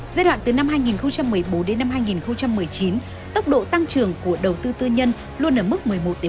giai đoạn từ năm hai nghìn một mươi bốn đến năm hai nghìn một mươi chín tốc độ tăng trưởng của đầu tư tư nhân luôn ở mức một mươi một một mươi năm